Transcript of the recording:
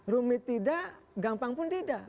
rumit tidak gampang pun tidak